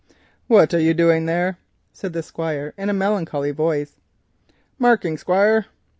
"What are you doing there?" said the Squire, in a melancholy voice. "Marking, Squire."